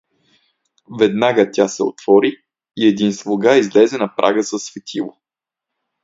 Веднага тя се отвори и един слуга излезе на прага със светило.